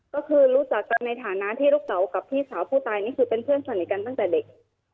ก็คือรู้จักกันในฐานะที่ลูกเต๋ากับพี่สาวผู้ตายนี่คือเป็นเพื่อนสนิทกันตั้งแต่เด็ก